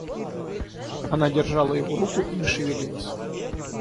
Она держала его руку и не шевелилась.